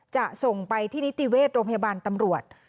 จะส่งไปที่นิติเวชโรงพยาบาลตำรวจ